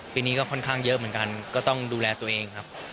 ปีนี้ก็ค่อนข้างเยอะเหมือนกันก็ต้องดูแลตัวเองครับ